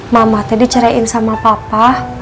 mama teh dicerain sama papa